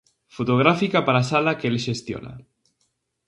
Fotográfica para sala que el xestiona.